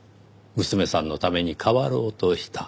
娘さんのために変わろうとした。